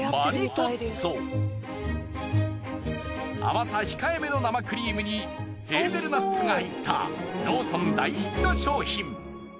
甘さ控えめの生クリームにヘーゼルナッツが入ったローソン大ヒット商品。